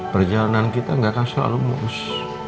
perjalanan kita nggak akan selalu mulus